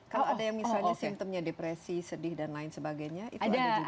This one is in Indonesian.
kalau ada yang misalnya simptomnya depresi sedih dan lain sebagainya itu ada juga